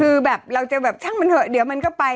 คือแบบเราจะแบบช่างมันเถอะเดี๋ยวมันก็ไป